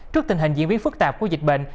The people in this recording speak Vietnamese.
trước tình hình diễn biến phức tạp của dịch bệnh